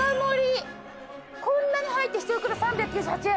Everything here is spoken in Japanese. こんなに入って１袋３９８円。